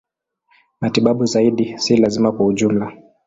Matibabu zaidi si lazima kwa ujumla.